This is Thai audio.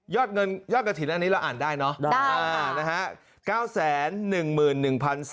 เงินยอดกระถิ่นอันนี้เราอ่านได้เนาะ